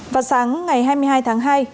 vào sáng ngày hai mươi hai tháng hai